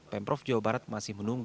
pemprov jawa barat masih menunggu